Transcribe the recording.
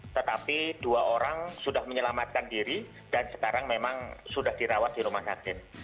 tetapi dua orang sudah menyelamatkan diri dan sekarang memang sudah dirawat di rumah sakit